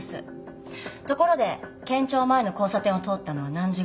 ところで県庁前の交差点を通ったのは何時ごろ？